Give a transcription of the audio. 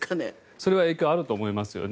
それは影響出ると思いますね。